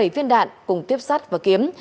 bảy viên đạn cùng tiếp sắt và kiếm